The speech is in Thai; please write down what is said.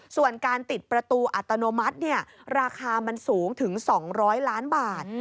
ส่วนการติดประตูอัตโนมัติราคามันสูงถึง๒๐๐ล้านบาท